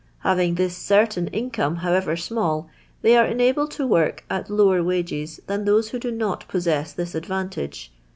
Having thu certain income^ howe^r smcUl, thty are enahlcl to }rork at lo'tsr vages than tA»se vko do not possesi VtU advantage.